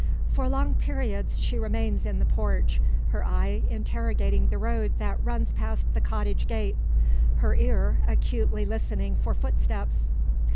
For long periods she remains in the porch, her eye interrogating the road that runs past the cottage gate; her ear acutely listening for footsteps.